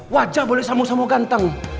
wajah boleh sama sama gantengnya